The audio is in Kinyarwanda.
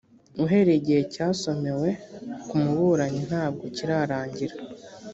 uhereye igihe cyasomewe ku muburanyi ntago kirarangira.